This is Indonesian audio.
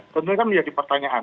tentunya kan menjadi pertanyaan